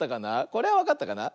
これはわかったかな？